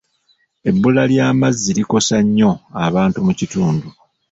Ebbula ly'amazzi likosa nnyo abantu mu kitundu.